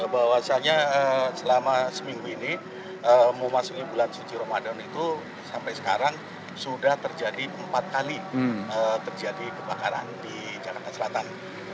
bahwasannya selama seminggu ini memasuki bulan suci ramadan itu sampai sekarang sudah terjadi empat kali terjadi kebakaran di jakarta selatan